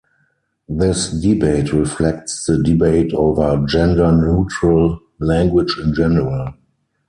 This debate reflects the debate over gender-neutral language in general.